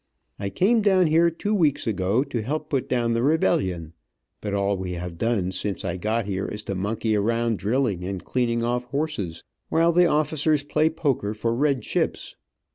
I came down here two weeks ago, to help put down the rebellion; but all we have done since I got here is to monkey around drilling and cleaning off horses, while the officers play poker for red chips.